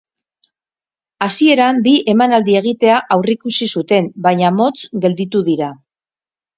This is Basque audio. Hasieran bi emanaldi egitea aurreikusi zuten baina motz gelditu dira.